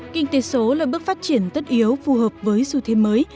kinh tế số là bước phát triển tất yếu phù hợp với xu thế mới